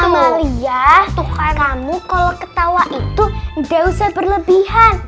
amalia tuh kan kamu kalo ketawa itu nggak usah berlebihan